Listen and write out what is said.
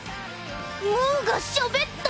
ムーがしゃべった！